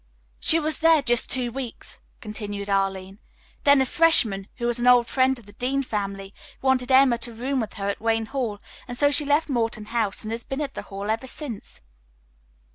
"She was there just two weeks," continued Arline. "Then a freshman, who was an old friend of the Dean family, wanted Emma to room with her at Wayne Hall, and so she left Morton House and has been at the Hall ever since."